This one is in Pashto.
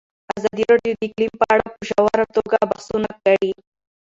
ازادي راډیو د اقلیم په اړه په ژوره توګه بحثونه کړي.